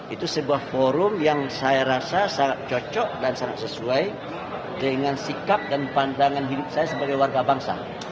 itu sebuah forum yang saya rasa sangat cocok dan sangat sesuai dengan sikap dan pandangan hidup saya sebagai warga bangsa